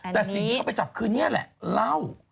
แต่สิ่งที่เขาไปจับคือนี่แหละเหล้า